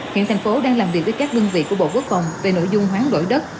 hiện thành phố đang làm việc với các đơn vị của bộ quốc phòng về nội dung hoán đổi đất